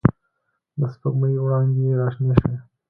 د سپوږ مۍ وړانګې را شنې شوې